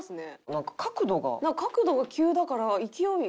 なんか角度が急だから勢い。